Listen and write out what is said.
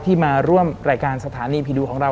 มาร่วมรายการสถานีผีดุของเรา